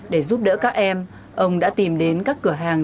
để giúp đỡ các em ông đã tìm đến các cửa hàng